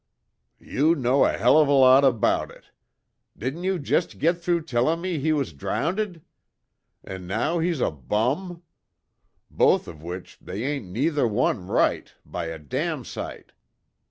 "You know a hell of a lot about it! Didn't you jest git through tellin' me he was drounded? An' now he's a bum! Both of which they ain't neither one right by a damn sight.